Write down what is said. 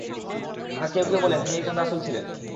আবার কেউ কেউ বলেন, তিনি একজন রাসূল ছিলেন।